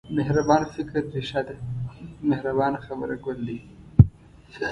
مهربان فکر رېښه ده مهربانه خبره ګل دی.